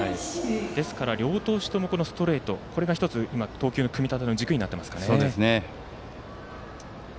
ですから、両投手ともこのストレート、１つ投球の組み立ての軸になっていますかね。